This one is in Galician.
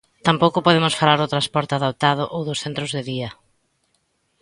Tampouco podemos falar do transporte adaptado ou dos centros de día.